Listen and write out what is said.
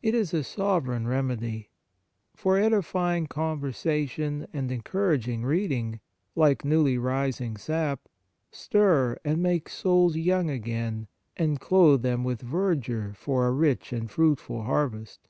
It is a sovereign remedy. For edifying conversation and encourag ing reading, like newly rising sap, stir and make souls young again, and clothe them with verdure for a rich and fruitful harvest.